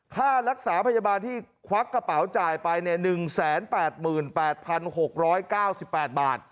ค่ารักษาพยาบาลที่ควักกระเป๋าจ่ายไป๑๘๘๖๙๘บาท